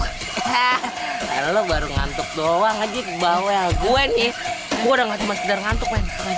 hahaha kalau baru ngantuk doang aja ke bawah gue nih gue udah gak cuma sedang ngantuk